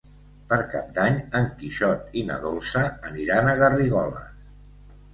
Per Cap d'Any en Quixot i na Dolça aniran a Garrigoles.